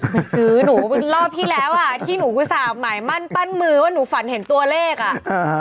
ไม่ซื้อหนูรอบที่แล้วอ่ะที่หนูกุศาบหมายมั่นปั้นมือว่าหนูฝันเห็นตัวเลขอ่ะ